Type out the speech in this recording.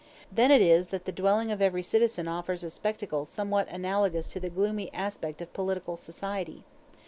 Then it is that the dwelling of every citizen offers a spectacle somewhat analogous to the gloomy aspect of political society.